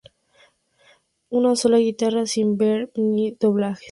Una sola guitarra, sin "reverb" ni doblajes.